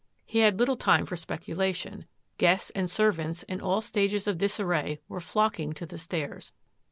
He had little time for speculation. Guests and servants, in all stages of disarray, were flocking to the stairs.